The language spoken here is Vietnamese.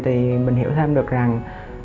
thì mình hiểu thêm được rằng